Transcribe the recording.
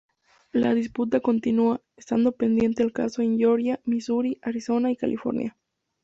La disputa continúa, estando pendiente el caso en Georgia, Misuri, Arizona y California.